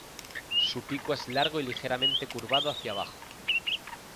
Su pico es largo y ligeramente curvado hacia abajo.